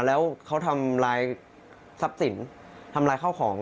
แล้วเขาทำลายทรัพย์สินทำลายข้าวของ